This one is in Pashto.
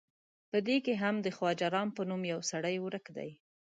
په دې کې هم د خواجه رام په نوم یو سړی ورک دی.